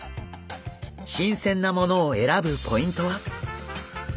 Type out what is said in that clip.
新鮮なものを選ぶポイントは？